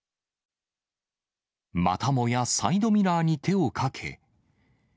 またもやサイドミラーに手をかけ。